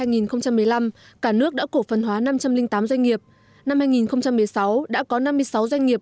giai đoạn hai nghìn một mươi một hai nghìn một mươi năm cả nước đã cổ phần hóa năm trăm linh tám doanh nghiệp năm hai nghìn một mươi sáu đã có năm mươi sáu doanh nghiệp